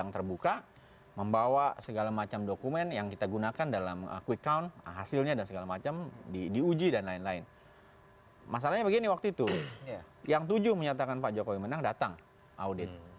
terima kasih pak bung kondi